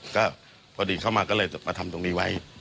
ก็พอดีเข้ามาก็เลยมาทำตรงนี้ไว้